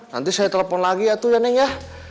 nanti saya telepon lagi ya tuh ya neng ya